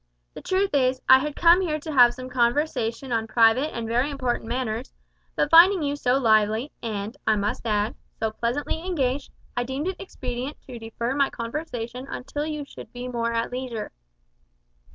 The truth is, I had come here to have some conversation on private and very important matters, but finding you so lively, and, I must add, so pleasantly engaged, I deemed it expedient to defer my conversation until you should be more at leisure."